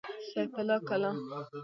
سيف الله کلا